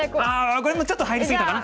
これもちょっと入り過ぎたかな。